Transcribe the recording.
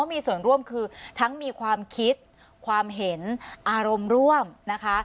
มีส่วนร่วมคือทั้งมีความคิดความเห็นอารมณ์ร่วมนะคะ